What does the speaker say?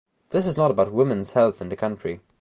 This is not about women's health in this country.